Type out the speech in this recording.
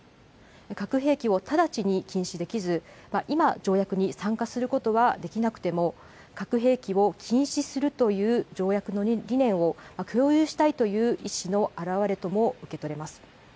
核兵器を直ちに禁止できず、今、条約に参加することはできなくても、核兵器を禁止するという条約の理念を共有したいという意思の表れとも受け取れます。